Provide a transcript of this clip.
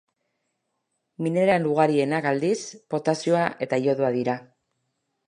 Mineral ugarienak, aldiz, potasioa eta iodoa dira.